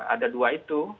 ada dua itu